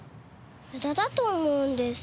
無駄だと思うんです。